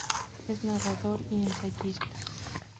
Es narrador y ensayista.